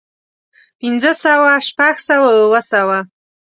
پنځۀ سوه شپږ سوه اووه سوه